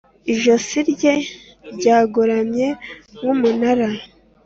ijosi rye ryagoramye nk'umunara,